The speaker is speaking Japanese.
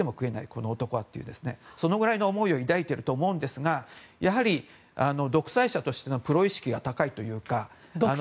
この男は、とそのくらいの思いを抱いていると思うんですがやはり、独裁者としてのプロ意識が高いというか。